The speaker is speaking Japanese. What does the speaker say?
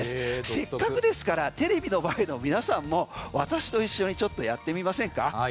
せっかくですからテレビの前の皆さんも私と一緒にちょっとやってみませんか。